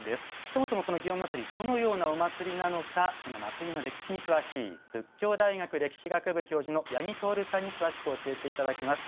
そもそも、この祇園祭どのようなお祭りなのかこの祭りの歴史に詳しい佛教大学歴史学部教授の八木透さんに詳しく教えていただきます。